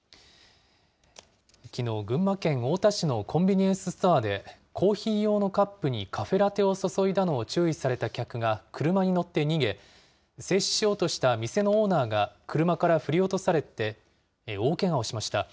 きのう、群馬県太田市のコンビニエンスストアで、コーヒー用のカップにカフェラテを注いだのを注意された客が車に乗って逃げ、制止しようとした店のオーナーが車から振り落とされて、大けがをしました。